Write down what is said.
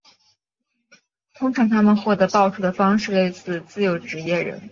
通常他们获得报酬的方式类似自由职业人。